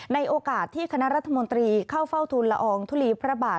ในโอกาสที่คณะรัฐมนตรีเข้าเฝ้าทุนละอองทุลีพระบาท